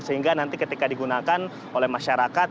sehingga nanti ketika digunakan oleh masyarakat